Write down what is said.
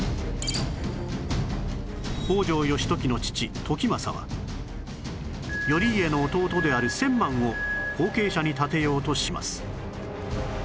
北条義時の父時政は頼家の弟である千幡を後継者に立てようとします